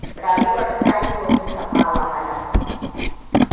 Rayuwar ta yiwa Mustapha wahala.